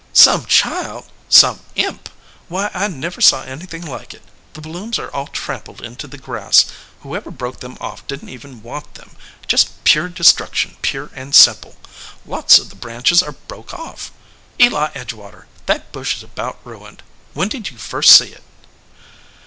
"Some child? Some imp. Why, I never saw anything like it. The blooms are all trampled into the grass. Whoever broke them off didn t even want them ; just pure destruction, pure and simple. Lots of the branches are broke off. Eli Edge water, that bush is about ruined. When did you first see it?"